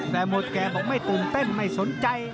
แต่หมดแก่บอกไม่ตื่นเต้นไม่สนใจ